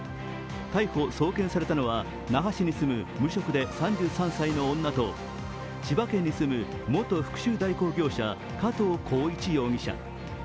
逮捕・送検されたのは那覇市に住む無職で３３歳の女と千葉県に住む元復しゅう代行業者、加藤孝一容疑者。